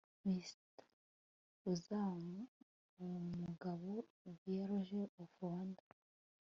Mr UZABUMUGABO Virgile of Rwandan